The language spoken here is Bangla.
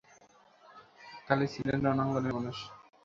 খালিদ ছিলেন রণাঙ্গনের মানুষ।